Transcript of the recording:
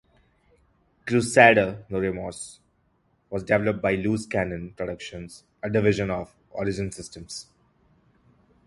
"Crusader: No Remorse" was developed by Loose Cannon Productions, a division of Origin Systems.